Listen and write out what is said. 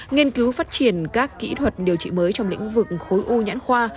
nghiên cứu phát triển các kỹ thuật điều trị mới trong lĩnh vực khối u nhãn khoa